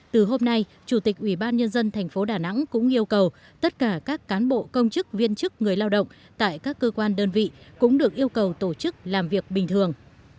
từ hôm nay chủ tịch ubnd tp đà nẵng cũng yêu cầu tất cả các cán bộ công chức viên chức người lao động tại các cơ quan đơn vị cũng được yêu cầu tổ chức làm việc bình thường